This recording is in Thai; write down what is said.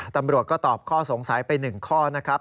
ตำรวจก็ตอบข้อสงสัยไป๑ข้อนะครับ